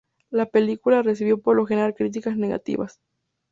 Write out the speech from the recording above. La película recibió por lo general críticas negativas.